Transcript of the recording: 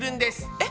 えっ？